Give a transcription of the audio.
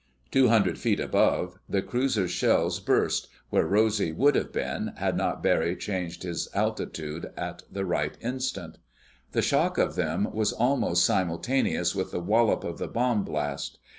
Two hundred feet above, the cruiser's shells burst—where Rosy would have been, had not Barry changed his altitude at the right instant. The shock of them was almost simultaneous with the wallop of the bomb blast.